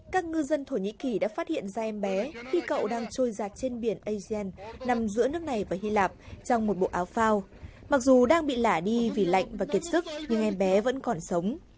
các ngư dân thổ nhĩ kỳ đã phát hiện ra em bé khi cậu đang trôi giặt trên biển asien nằm giữa nước này và hy lạp trong một bộ áo phao mặc dù đang bị lả đi vì lạnh và kiệt sức nhưng em bé vẫn còn sống